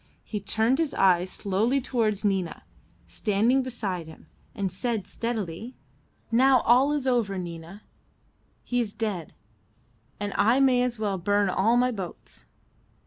He turned his eyes slowly towards Nina standing beside him, and said steadily "Now all is over, Nina. He is dead, and I may as well burn all my boats."